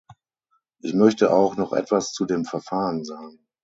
Ich möchte auch noch etwas zu dem Verfahren sagen.